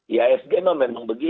ihsg memang memang begitu